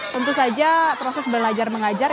tentu saja proses belajar mengajar